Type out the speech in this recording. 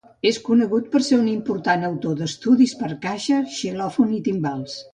És conegut per ser un important autor d'estudis per a caixa, xilòfon i timbals.